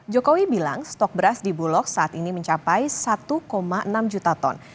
jokowi bilang stok beras di bulog saat ini mencapai satu enam juta ton